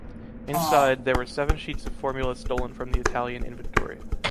Inside, there were seven sheets of formulas stolen from the Italian inventory.